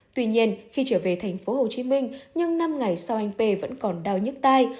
tuy nhiên khi trở về tp hcm nhưng năm ngày sau anh p vẫn còn đau nhức tay